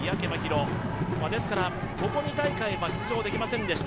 ここ２大会は出場できませんでした